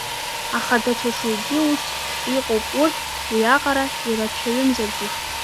Аха даҽа шьоукгьы ус иҟоуп, урҭ уиаҟара ирацәаҩымзаргьы…